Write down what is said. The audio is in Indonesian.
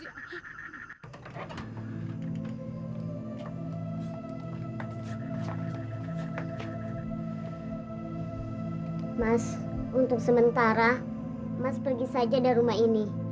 mas untuk sementara mas pergi saja dari rumah ini